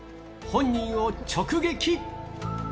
本人を直撃。